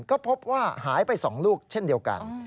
ก็พบว่าหายไป๒ลูกเช่นเดียวกัน